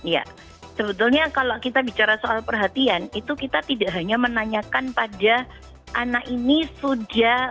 ya sebetulnya kalau kita bicara soal perhatian itu kita tidak hanya menanyakan pada anak ini sudah